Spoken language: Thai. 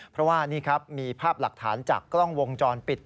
เพราะว่านี่ครับมีภาพหลักฐานจากกล้องวงจรปิด